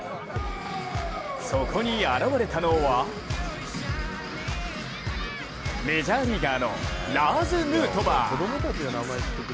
そこに現れたのはメジャーリーガーのラーズ・ヌートバー。